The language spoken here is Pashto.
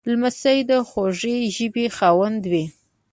لمسی د خوږې ژبې خاوند وي.